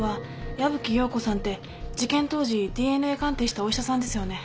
矢吹洋子さんって事件当時ＤＮＡ鑑定したお医者さんですよね？